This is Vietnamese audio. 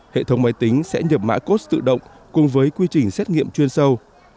hệ thống máy tính sẽ nhập mã cos tự động cùng với quy trình xét nghiệm chuyên sâu